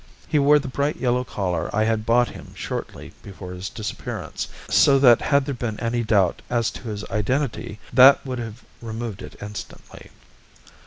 He wore the bright yellow collar I had bought him shortly before his disappearance, so that had there been any doubt as to his identity that would have removed it instantly.